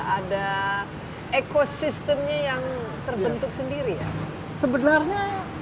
ada ekosistemnya yang terbentuk sendiri ya